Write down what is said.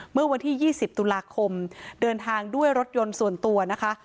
เมื่อวันที่๒๐ตุลาคมเดินทางด้วยรถยนต์ส่วนตัวนะคะ